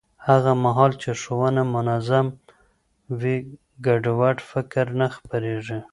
هغه مهال چې ښوونه منظم وي، ګډوډ فکر نه خپرېږي.